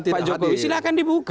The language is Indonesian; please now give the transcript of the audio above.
pak jokowi silahkan dibuka